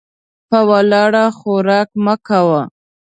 په ولاړه خوراک مه کوه .